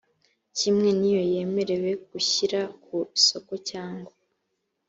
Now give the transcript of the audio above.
kimwe n iyo yemerewe gushyira ku isoko cyangwa